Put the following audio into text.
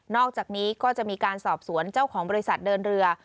อกจากนี้ก็จะมีการสอบสวนเจ้าของบริษัทเดินเรือ